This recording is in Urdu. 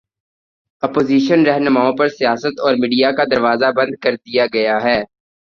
اپوزیشن راہنماؤں پر سیاست اور میڈیا کا دروازہ بند کر دیا گیا ہے۔